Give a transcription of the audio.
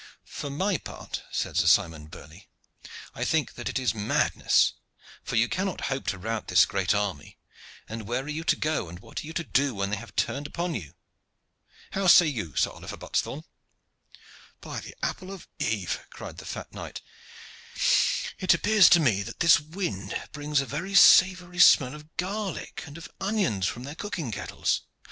"For my part," said Sir Simon Burley, "I think that it is madness, for you cannot hope to rout this great army; and where are you to go and what are you to do when they have turned upon you? How say you, Sir Oliver Buttesthorn?" "By the apple of Eve!" cried the fat knight, "it appears to me that this wind brings a very savory smell of garlic and of onions from their cooking kettles.